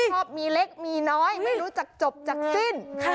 ชอบมีเล็กมีน้อยไม่รู้จักจบจากสิ้น